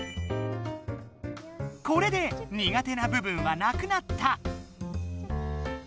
これで苦手な部分はなくなった！